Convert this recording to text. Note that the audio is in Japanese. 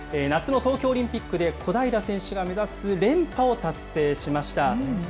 夏の東京オリンピックで小平選手が目指す連覇を達成しました。